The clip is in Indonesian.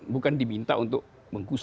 bukan diminta untuk mengkusur